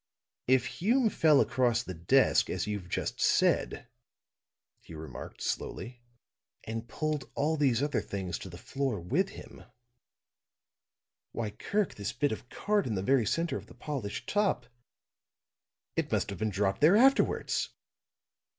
"If Hume fell across the desk, as you've just said," he remarked, slowly, "and pulled all these other things to the floor with him why, Kirk, this bit of card, in the very center of the polished top, it must have dropped there afterwards."